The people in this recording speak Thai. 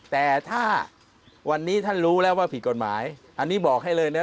แต่ถ้าวันนี้ท่านรู้แล้วว่าผิดกฎหมายอันนี้บอกให้เลยนะ